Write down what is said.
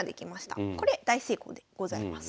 これ大成功でございます。